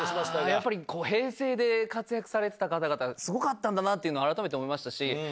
やっぱり平成で活躍されてた方々、すごかったんだなって改めて思いましたし、Ｈｅｙ！